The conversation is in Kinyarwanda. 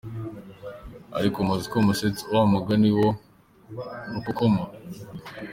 Ariko muzi ko musetsa wamugani wa rukokoma!